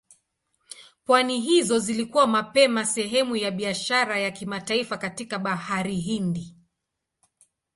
Pwani hizo zilikuwa mapema sehemu ya biashara ya kimataifa katika Bahari Hindi.